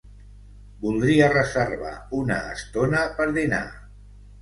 Voldria reservar una estona per dinar.